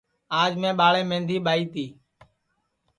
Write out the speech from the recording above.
آج میں ٻاݪیم مہندی ٻائی تی